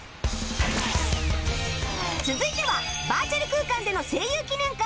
続いてはバーチャル空間での声優記念館